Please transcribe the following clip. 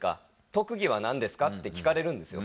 特技は何ですか？って聞かれるんですよ。